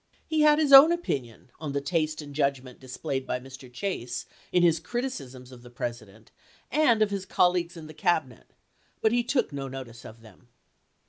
He had his own opinion on the taste and judgment displayed by Mr. Chase in his criti cisms of the President, and of his colleagues in the Cabinet ; but he took no notice of them.